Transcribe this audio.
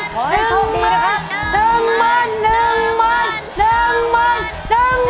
ขอให้โชคดีนะครับ